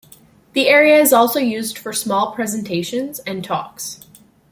The area is also used for small presentations and talks.